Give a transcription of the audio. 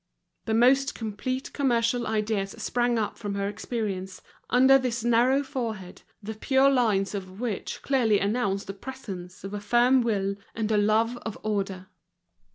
The most complete commercial ideas sprang up from her experience, under this narrow forehead, the pure lines of which clearly announced the presence of a firm will and a love of order.